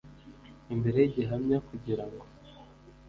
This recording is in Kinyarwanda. imbere y’igihamya kugira ngo